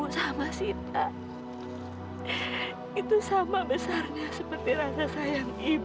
sampai jumpa di video selanjutnya